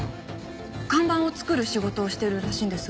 看板を作る仕事をしてるらしいんですが。